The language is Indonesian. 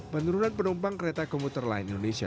penurunan penumpang kereta komuter lain indonesia